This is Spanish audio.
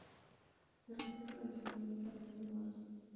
Se realiza tradicionalmente en el mes de marzo.